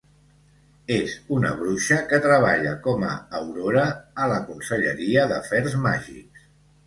És una bruixa que treballa com a aurora a la Conselleria d'Afers Màgics.